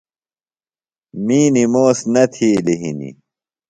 می نِموس نہ تھیلیۡ ہِنیۡ۔